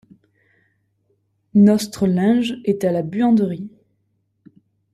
Nostre linge est à la buanderie.